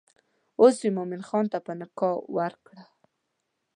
اوس یې مومن خان ته په نکاح ورکړه.